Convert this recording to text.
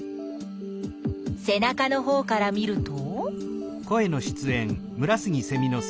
せなかのほうから見ると？